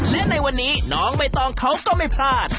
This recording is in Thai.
และในวันนี้น้องใบตองเขาก็ไม่พลาด